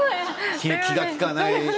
気が利かない。